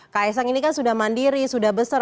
kaya sang ini kan sudah mandiri sudah besar